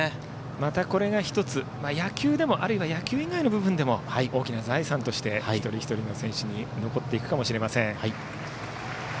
またこれが１つ野球でも、あるいは野球以外でも大きな財産として一人一人の選手に残っていくかもしれません。